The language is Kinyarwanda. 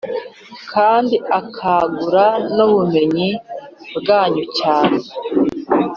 kandi akagura n’ubumenyi bwanyu cyane